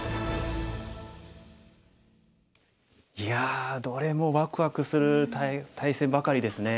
いやどれもワクワクする対戦ばかりですね。